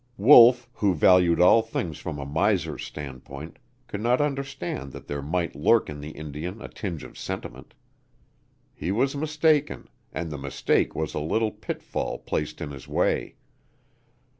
Wolf, who valued all things from a miser's standpoint, could not understand that there might lurk in the Indian a tinge of sentiment. He was mistaken, and the mistake was a little pitfall placed in his way.